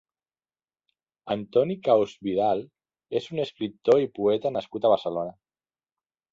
Antoni Caus Vidal és un escriptor i poeta nascut a Barcelona.